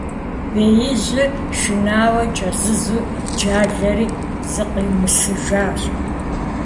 Беижьыр шынауэ кӀэзызу, джалэри зыкъиумысыжащ.